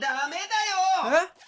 えっ！？